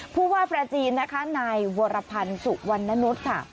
ผู้ว่าประจีนนะคะนายวรพันธ์สุวรรณนุษย์ค่ะ